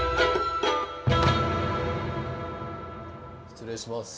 失礼します。